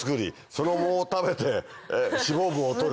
その藻を食べて脂肪分を取る。